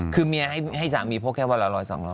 คือเมียให้สามีโพกแค่วันละร้อยสองร้อย